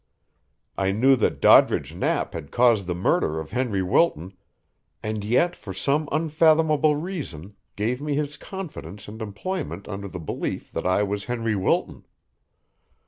I knew that Doddridge Knapp had caused the murder of Henry Wilton, and yet for some unfathomable reason gave me his confidence and employment under the belief that I was Henry Wilton.